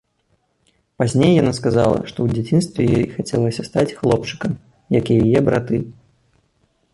Пазней яна сказала, што ў дзяцінстве ёй хацелася стаць хлопчыкам, як і яе браты.